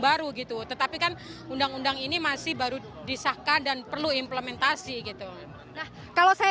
baru gitu tetapi kan undang undang ini masih baru disahkan dan perlu implementasi gitu nah kalau saya